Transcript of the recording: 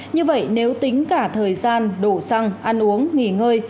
như vậy nếu tính cả thời gian đổ xăng ăn uống nghỉ ngơi